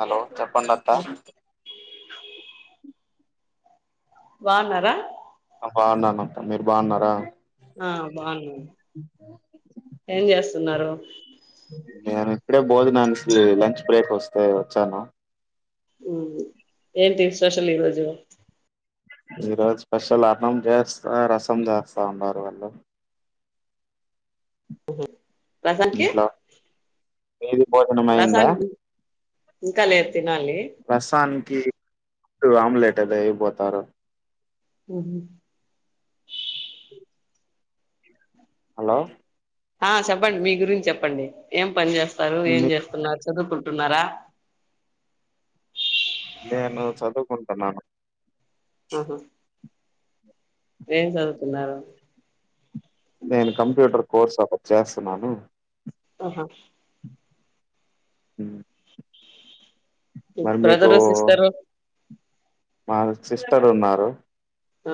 Hello చెప్పండి అత్తా hello బాన్నారా బాగున్ననత్త మీరు బాగున్నారా ఆ బాగున్నా ఏం చేస్తున్నారు నేను ఇప్పుడే బోజననికిసి లంచ్ బ్రేక్ వస్తే వచ్చాను ఉ ఏంటి విశేషాలు ఈరోజు ఈరోజు స్పెషల్ అన్నం చేస్తా రసం చేస్తా అన్నారు వాళ్ళు రసాంకి ఇంట్లో మీది భోజనం అయిందా ఇంకా లేదు తినాలి రసాన్కి గుడ్డు ఆమ్లేట్ అది ఏపోతారు ఉహు హలో ఆ చెప్పండి మీ గురించి చెప్పండి ఏం పని చేస్తారు ఏం మీ- చేస్తున్నారు చదువుకు న్నారా నేను చదువుకుంటున్నాను అహ ఏ చదుతున్నారు నేను కంప్యూటర్ కోర్స్ ఒకటి చేస్తున్నాను ఆహా మరి మీకు బ్రదరు సిస్టరు మా సిస్టర్ ఉన్నారు ఆ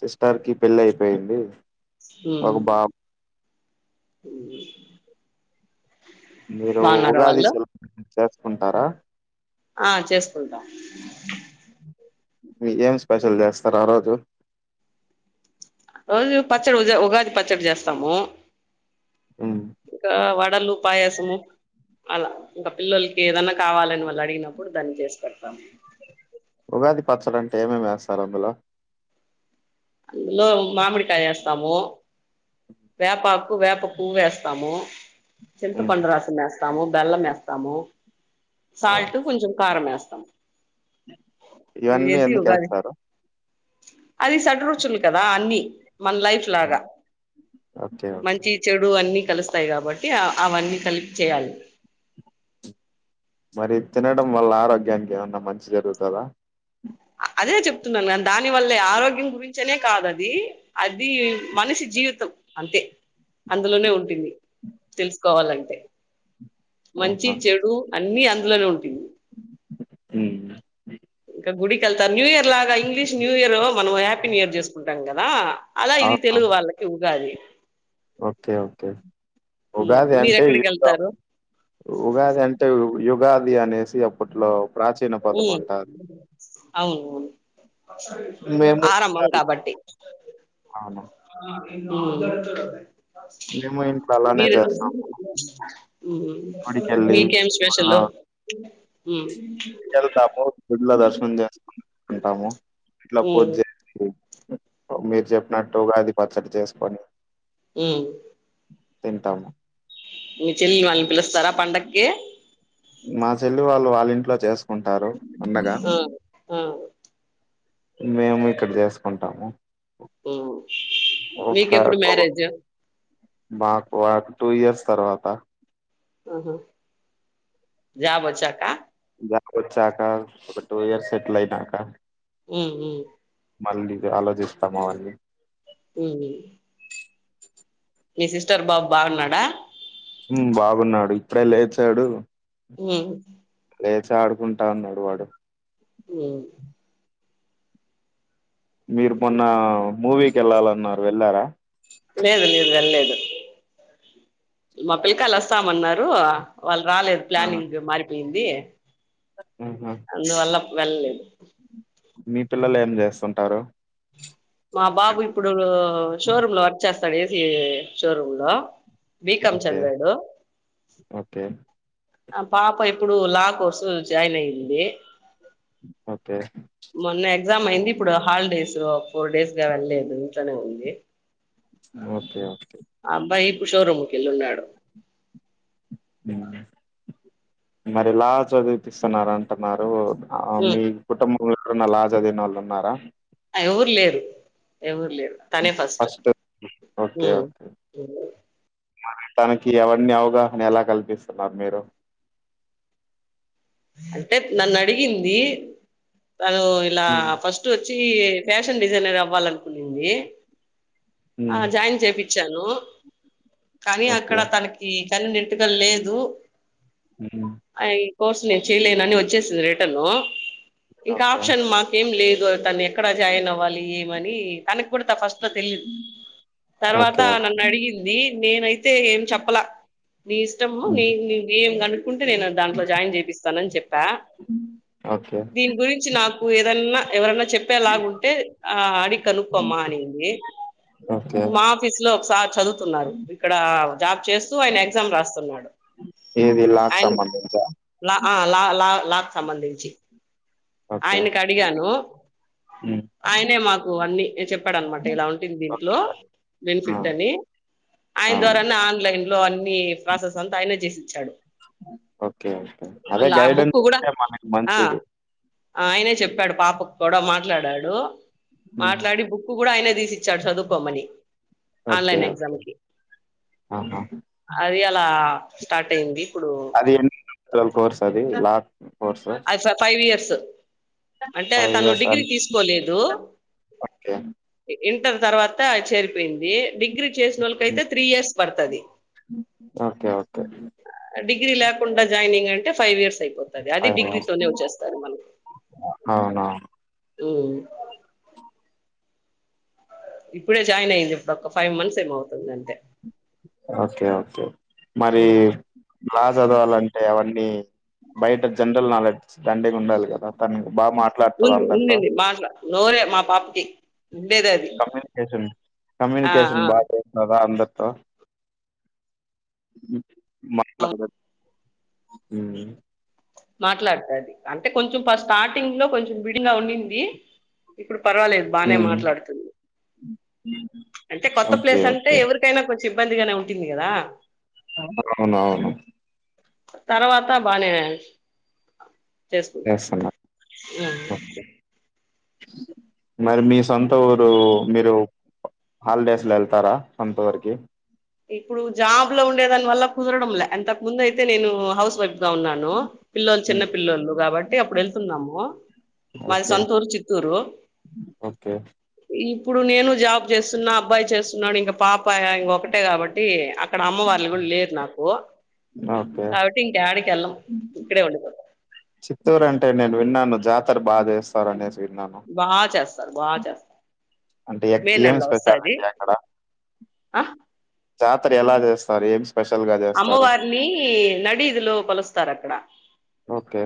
సిస్టర్ కి పెళ్లి అయిపోయింది ఒక బాబు మ్మ్ మీరు బాగున్నారా ఉగాది వాళ్ళు సెలబ్రేషన్ చేసుకుంటారా ఆ చేసుకుంటాం మీరేం స్పెషల్ చేస్తారు ఆ రోజు రోజు పచ్చడి ఉద ఉగాది పచ్చడి చేస్తాము హ్మ్ ఇంకా వడలు పాయసము అలా ఇంకా పిల్లలకి ఏదన్నా కావాలని వాళ్ళు అడిగినప్పుడు దాన్ని చేసి పెడతాము ఉగాది పచ్చడి అంటే ఏమేమి వేస్తారు అందులో అందులో మామిడి కాయ ఏస్తాము వేపాకు వేప పూవు ఏస్తాము చింత హ్మ్ పండు రసం ఏస్ స్తాము బెల్లం వేస్తాము ఆ సాల్ట్ కొంచెం కారం వేస్తాం ఇవి ఇవన్నీ ఏసి ఎందుకు ఉగాది వేస్తారు అది షడ్ రుచులు కదా అన్ని మన లైఫ్ లాగా ఓకే ఓకే మంచి చెడు అన్ని కలుస్ త్తయి కాబట్టి అవన్నీ కలిపి చేయాలి మరి తినడం వల్ల ఆరోగ్యానికి ఏమన్నా మంచి జరుగుతాదా అదే చెప్తున్నా దాని వల్లే ఆరోగ్యం గురించి చనే కాదది అది మనిషి జీవితం అంతే అందులోనే ఉంటుంది తెలుసుకోవాలంటే మంచి ఆహా చెడు అన్ని అందులోనే ఉంటుంది ఊ గుడికెళ్తా న్యూ ఇయర్ లాగా ఇంగ్లీష్ న్యూ ఇయర్ మనం హ్యాపీ న్యూయర్ చేసుకుంటాం కదా అలా ఇది ఆహా తెలుగు వాళ్ళకి ఉగాది ఓకే ఓకే ఉగాది అంటే మీరెక్కడికి యుగం వెళ్తారు ఉగాది అంటే యుగ యుగాది అనేసి అప్పట్లో ప్రాచీన పదం ఉమ్ అంటారు అవును అవును మేము ఇంకా ఆరంభం కాబట్టి అవును ఊ మేము ఇంట్లో అలానే మీరు చేస్తాము మ్మ్ గుడికెళ్ళి మీకేం స్పెషలు ఇంగ వెళ్తాము గుళ్ళో దర్శనం చేసుకుకుంటాము ఇంట్లో పూజ చేసుకొన్ మీరు చెప్పినట్టు ఉగాది పచ్చడి చేసుకొని మ్మ్ తింటాము మీ చెల్లిలి వాళ్ళని పిలుస్తారా పండక్కి మా చెల్లి వాళ్ళు వాళ్ళ ఇంట్లో చేస్ కుంటారు పండగా ఆ ఆ మేము ఇక్కడ చేసుకుంటాము ఉమ్ ఒక మీకెప్పుడు ఓ మ్యారేజ్ మాక టూ ఇయర్స్ తర్వాత మ్మ్ హు జాబ్ వచ్చాక జాబ్ వచ్చాక ఒక టూ ఇయర్స్ సెటిల్ అయినాక మ్మ్ హ్మ్ మళ్ళీ ఇగ ఆలోచిస్తాము అవన్నీ మ్మ్ మీ సిస్టర్ బాబు బాగున్నాడా మ్మ్ బాగున్నాడు ఇప్పుడే లేచాడు మ్మ్ లేచ ఆడుకుంటాన్నడు, వాడు నేను మీరు, మొన్న మూవీకి వెళ్ళాలన్నారు, వెళ్ళారా? లేదు లేదు వెల్లలేదు, మా పిల్లకాయలు వస్తామన్నారు. వాళ్ళు రాలేదు, ఆ, ప్లానింగ్ మారిపోయింది. మ్మ్. అందువల్ల వెళ్ళలేదు. మీ పిల్లలు ఏం జెస్తుంటారు? మా బాబు ఇప్పుడు, షోరూమ్ లో వర్క్ చేస్తాడు? ఏసీ షోరూమ్ లో. బికమ్ ఓకే చదివాడు. ఓకే ఆ పాప ఇప్పుడు, లా కోర్సు జాయిన్ అయింది. ఓకే ఎగ్జామ్ అయింది, ఇప్పుడు హాలిడేస్ ఫోర్ డేస్ గా వెళ్ళలేదు. ఇంట్లోనే ఉంది. Okay okay కేళ్ళినాడు. మ్, మరి ఎలా చదివిపిస్తున్నార్. అంటున్నారు. ఆ ఉమ్ మీ కుటుంబంలో, లా చదివిన వాళ్ళు ఉన్నారా. ఎవ్వరు లేరు. ఎవరు లేరు. తనే ఫస్ట్ ఉం. మరి, తనకి అవన్నీ అవగాహన ఎలా కల్పిస్తున్నారు? మీరు అంటే నన్ను అడిగింది. తను ఇలా హ్మ్. ఫస్ట్ ఒచ్ కి ఫ్యాషన్ డిజైనర్ అవ్వాలనుకునీంది. ఆ హ్మ్. జాయిన్ చేప్పి చాను కానీ, ఓకే. అక్కడ తనకి కన్వీనెంట్ గా లేదు. ఉమ్ ఆ ఈ కోర్సు నేను చేయలేను, అని వచ్చేసింది. రిటర్న్ ఇంకా ఓకే. ఆప్షన్ మాకేం లేదు. తను ఎక్కడ జాయిన్ అవ్వాలి. ఏమని తనకి కూడా ఫస్ట్ లో తెలియదు. ఓకే. తర్వాత ఓకే. నన్ను అడిగింది, నేనైతే ఏం చెప్పలె. నీ ఇష్టమ, నీ హ్మ్. ఏం కనుక్కుంటే, నేను దాంట్లో జాయిన్ చేపిస్తా. నని చెప్పా, ఓకే. దీని గురించి, నాకు ఏదన్నా ఎవరన. చెప్పేలాగు ఉంటే, ఆ అది కనుకోమ్మా అనింది. ఓకే. మా ఆఫీస్ లో సార్ చదువుతున్నారు. ఇక్కడ జాబ్ చేస్తూ, ఆయన ఎగ్జామ్ రాస్తున్నాడు. ఏది, లా క్ సంబందించ ఆ లా లా లాక్ సంబంధించి ఓకే. ఆయనకు అడిగాను. హ్మ్. ఆయనే మాకు అన్ని చెప్పడం, నమాట ఇలా ఉండిది. దీంట్లో ఓకే. ఆ! బెనిఫిట్ అని, ఆయన ఆ! ద్వారానే ఆన్లైన్ లో అన్ని ప్రాసెస్ అంతా, ఆయనే చేసిచ్చాడు. ఓకేే ఓకే, అదే ఆ బుక్ గైడెన్స్ కూడా ఉంటే మనకి ఆ మంచిది. ఆయనే చెప్పాడు. పాపకు కూడా మాట్లాడాడు. హ్మ్. మాట్లాడి బుక్ కూడా, ఆయన తీసిచ్చాడు. చదువుకోమ్మని. ఓకే. Online okay. ఎక్జామ్కి. ఆహా! అది అలా స్టార్ట్ అయింది. ఇప్పుడు అది ఎన్ని సంవత్సరాల కోర్స్ అది లా కోర్సు? అచ్చా ఫైవ్ ఇయర్స్ అంటే, ఫైవ్ తను ఇయర్స్ డిగ్రీ ఓకే తీసుకోలేదు. ఇంటర్ తర్వాత చేరిపోయింది. డిగ్రీ చేసిన వాళ్ళకి, అయితే త్రీ ఇయర్స్ పడుతది. ఓకే ఓకే డిగ్రీ లేకుండా, జాయినింగ్ అంటే ఫైవ్ ఇయర్స్ అయిపోతది. అది ఫైవ్ ఇయర్స్ డిగ్రీతోనే వచ్చేస్తాది. మనకు అవునా ఇప్పుడే జాయిన్ అయింది. ఇప్పుడు ఒక ఫైవ్ మంత్స్ ఏమోవుతుంది. అంతే ఓకే ఓకే మరి ఉమ్ లా చదవాలంటే, అవన్నీ బయట జనరల్ నాలెడ్జ్ దాండిగా ఉండాలి. కదా తన బాగా మాట్లాడుతది ఉంది అందరితో ఉండింది మాట్లా నోరే మా పాపకి ఉండేది అది కమ్యూనికేషన్ ఆ కమ్యూనికేషన్ బాగా చేస్తద అందరితో ఆ హ్మ్మ్ మాట్లాడుతది అంటే కొంచెం స్టార్టింగ్ లో కొంచెం విడిగా ఉనింది ఇప్పుడు పర్వాలేదు బానే మ్మ్ మాట్లాడుతుంది అంటే కొత్త ఓకే ప్లేస్ అంటే ఓకే ఎవరికైనా ఇబ్బందిగానే ఉంటుంది కదా అవును అవును తర్వాతా బానే చేసుకుంటాది చేస్తున్నా ఆ ఓకే మరి మీ సొంత ఊరు మీరు హాలిడేస్ లో వెళ్తారా సొంత ఉర్కీ ఇప్పుడు జాబ్ లో ఉండేదాని వల్ల కుదరడం లే అంతకు ముందు అయితే నేను హౌస్ వైఫ్ ఉన్నాను పిల్లోలు చిన్న ఉమ్, పిల్లలు కాబట్టి అప్పుడు వెళ్తున్నాము మాది ఓకే సొంతూరు చిత్తూరు ఓకే ఇప్పుడు నేను జాబ్ చేస్తున్నా అబ్బాయి చేస్తున్నాడు ఇంక పాపా ఇంకొ ట్టి అక్కడ అమ్మ వాళ్ళ కూడా లేరు నాకు ఓకే కాబటి ఇంకా యాడికి వెళ్లం ఇక్కడే ఉండిపోతాం చిత్తూరు అంటే నేను విన్నాను జాతర బాగా చేస్తారు అనేసి బాగా చేస్తారు బాగా చేస్తారు అంటే మే ఏమి నెలలో వస్తది పెడతారండి అక్కడ ఆ జా జాతర ఎలా చేస్తారు ఏం స్పెషల్‌గా చేస్తారు? అమ్మవారిని నడిదిలో కొలుస్తారు అక్కడ ఓకే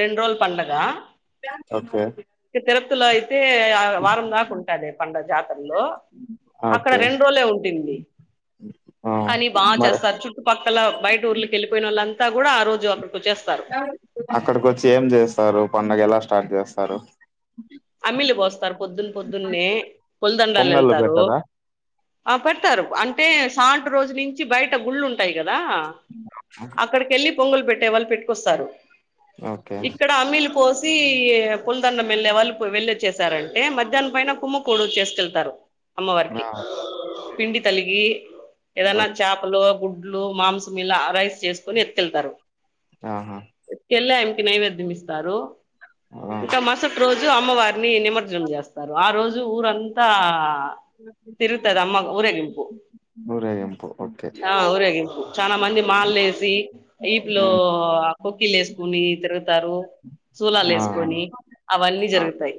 రెండు రోజులు పండగ ఓకే. ఇంక తిరపతిలో అయితే వారం దాకా ఉంటది పండగ లో అక్కడ ఓకే. రెండు రోజులే ఉంటుంది ఆ! కానీ బాగా మరి చేస్తారు చుట్టుపక్కల బయట ఊర్లకి వెళ్ళిపోయిన వాళ్ళ అంతా అంతా కూడా ఆ రోజు అక్కడికి వచేస్తారు అక్కడికి వచ్చి ఏం చేస్తారు పండగ ఎలా స్టార్ట్ చేస్తారు అమ్మిలి పోస్తారు పొద్దున్న పొద్దునే పలదండాలు పొంగల్లు వెళ్తారు పెట్టరా? ఆ పెడతారు అంటే పండు రోజు నుంచి బయట గుళ్ళు ఉంటాయి కదా అక్కడికి వెళ్ళి పొంగలు పెట్టే వాళ్ళు పెట్టుకొస్తారు ఓకే. ఇక్కడ అమీలు పోసి పుల్దండ వెళ్ వాళ్ళు వెళ్లి వచ్చసారంటే మధ్యా్నం పైన కుమ్మకోడు చేసుకెళ్తారు అమ్మ వారికి ఆ! పిండి తలుగి ఏదన్నా ఓకే. చాపలో గుడ్ లో మాంసమిళ రైస్ చేసుకుొని ఎత్కిెళ్తారు ఆహా వెలే ఆమెకి నైవేద్యం ఇస్తారు ఆ! ఇంకా మరుసటి రోజు అమ్మవారిని నిమజ్జనం చేస్తారు ఆ రోజు ఊరంతా తిరుగుతది అమ్మ ఊరేగింపు ఊరేగింపు. ఓకే. ఆ ఊరేగింపూర్ చాలా మంది మాలలు వేసి ఈప్లో హ్మ్. కొకిీలు వేసుకుొని తిరుగుతారు సులాలు ఆ! వేసుకొని అవన్నీ ఆ! జరుగుతాయి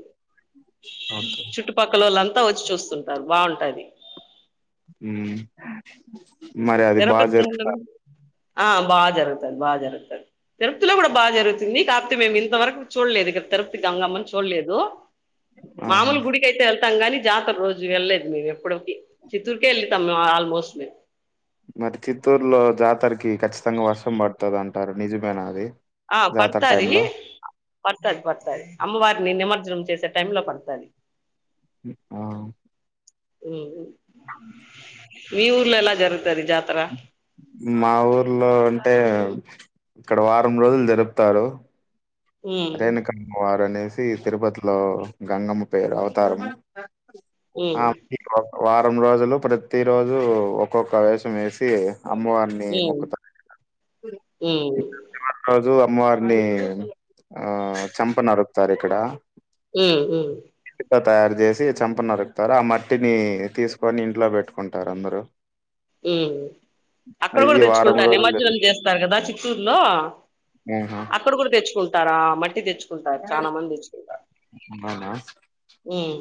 ఓకే. చుట్టుపక్కల లంతా వచ్చి చూస్తుంటారు బాగుంటాది మరి అది బా తిరుపతి దాంట్లో జరుపూత కూడా ఆ బాగా జరుగుతది బాగా జరుగుతుది తిరుప్తిలో కూడా బాగా జరుగుతుంది కాకపోతే మేము ఇంతవరకు చూడలేదు ఇక్క తిరుప్తి గంగమ్మని చూడలేదు ఆహా! మామూలు గుడికి అయితే వెళ్తాము కానీ జాతర రోజు వెళ్లేదు మేము ఎప్పటికి చిత్తూరుకే వెళ్ళతాం ఆల్మోస్ట్ మేము మరి చిత్తూరులో జాతరకి ఖచ్చితంగా వర్షం పడుతుందింటారు నిజమేన అది ఆ జాతర పర్తది టైమ్ లో పర్తది పర్తది అమ్మవారి ని నిమ నం చేసే టైం లో పడతాది ఆ మీ ఊర్ల ఎలా జరు మా ఊర్లో అంటే ఇక్కడ వారం రోజులు జరుపుతారు ఉమ్ రేణుకమ్మ వారు అనేసి తిరుపతిలో గంగమ్మ పేరు అవతారం ఉమ్ ఆ వా వారం రోజులు ప్రతిరోజు ఒక్కొక్క వేషామ్ వేసి అమ్మవారిని ఉమ్ మొక్కుతారు ఉమ్ ఇంకా రోజు అమ్మవారిని ఆ చంప నరుకుతారు ఇక్కడ మ్మ్ మ్మ్ ఇటుక తయారు చేసి చంప నరుకుతారు ఆ మట్టిని తీసుకొని ఇంట్లో పెట్టుకుంటారు అందరు మ్మ్ అక్కడ కూడా వారం తెచ్చుకుంటారు రోజులు నిమజ్జనం జరుగు చేస్తారు కదా చిత్తూరులో ఆహా అక్కడ కూడా తెచ్చుకుంటారా మట్టి తెచ్చుకుంటారు చాలా మంది తెచ్చుకుంటారు మనా ఉమ్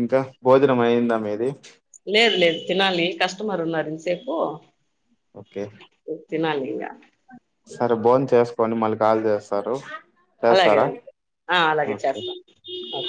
ఇంకా భోజనం అయిందా మీది లేదు లేదు తినాలి కస్టమర్ ఉన్నారు ఇంతసేపు ఓకే తినాలి ఇగ సరే బోన్ చేసుకోని మళ్ళీ కాల్ చేస్తారు అలాగే చేస్తారా అండి ఆ అలాగే ఒకే చేస్తాను ఓకే